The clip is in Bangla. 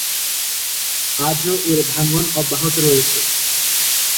আজও এর ভাঙ্গন অব্যাহত রয়েছে।